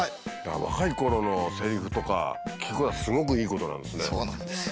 若いころのせりふとか聴くのはすごくいいことなんですね。